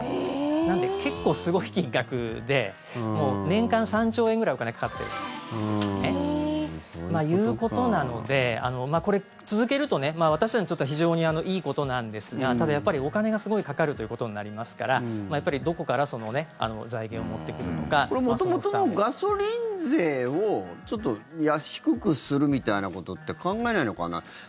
なので、結構すごい金額で年間３兆円ぐらい、お金がかかっているんですよね。ということなのでこれ、続けると私たちにとって非常にいいことなんですがただ、お金がすごいかかるということになりますからどこからその財源を元々のガソリン税をちょっと低くするみたいなことって考えないのかな。